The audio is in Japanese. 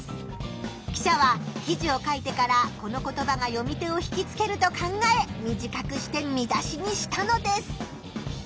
記者は記事を書いてからこの言葉が読み手を引きつけると考え短くして見出しにしたのです。